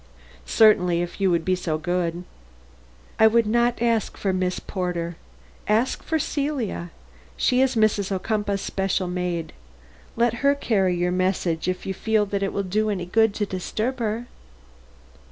"Certainly, if you will be so good." "I would not ask for Miss Porter. Ask for Celia; she is Mrs. Ocumpaugh's special maid. Let her carry your message if you feel that it will do any good to disturb her."